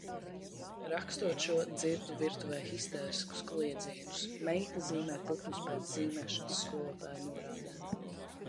Rakstot šo, dzirdu virtuvē histēriskus kliedzienus. Meita zīmē putnus pēc zīmēšanas skolotāja norādēm.